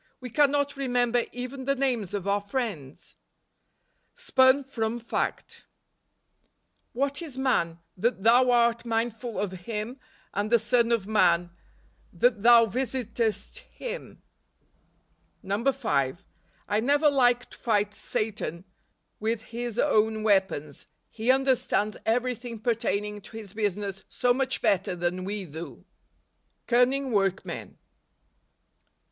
We cannot remember even the names of our friends !" Spun from Faet. " ir/irtf is man, that thou art mindful of himf and the son of man, that thou visitest him?" 5. I never like to fight Satan with his own weapons, lie understands everything pertaining to his business so much better than we do. Canning Workmen.